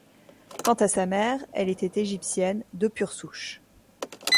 Quant à sa mère, elle était égyptienne de pure souche.